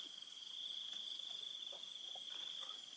ติดต่อไปแล้ว